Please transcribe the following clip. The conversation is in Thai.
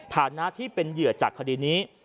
ฐานะที่เป็นเหยื่อจากคดีนี้